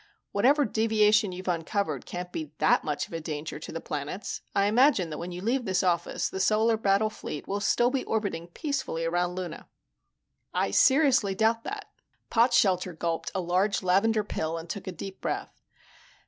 Whatever deviation you've uncovered can't be that much of a danger to the planets. I imagine that when you leave this office, the Solar Battle Fleet will still be orbiting peacefully around Luna." "I seriously doubt that." Potshelter gulped a large lavender pill and took a deep breath.